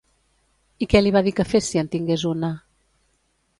I què li va dir que fes si en tingués una?